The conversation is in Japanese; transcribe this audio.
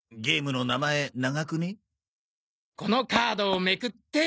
このカードをめくって。